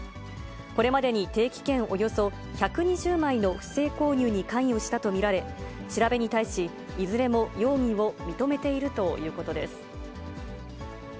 これまでに定期券およそ１２０枚の不正購入に関与したと見られ、調べに対し、いずれも容疑を認めているということです。